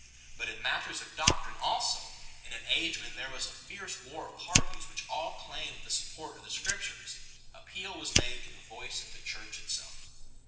But in matters of doctrine also, in an age when there was a fierce war of parties which all claimed the support of the Scriptures, appeal was made to the voice of the Church itself.